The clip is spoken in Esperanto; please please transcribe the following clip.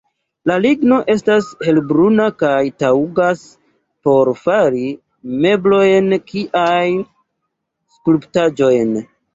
La ligno estas helbruna kaj taŭgas por fari meblojn kiaj skulptaĵojn.